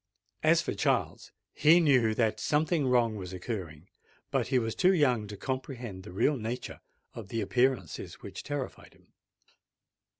As for Charles, he knew that something wrong was occurring; but he was too young to comprehend the real nature of the appearances which terrified him.